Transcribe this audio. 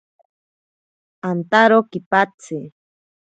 Antaro kipatsi.